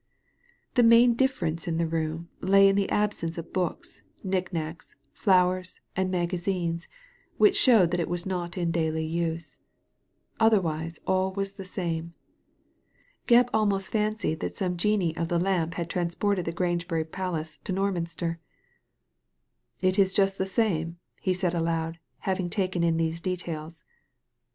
The main difference in the room lay in the absence of books, knickknacks, flowers and magazines, which showed that it was not in daily use ; otherwise all was the same. Gebb almost fancied that some genii of the lamp had transported the Grangebury palace to Norminster. ^ It is just the same,'' he said aloud, having taken in these details.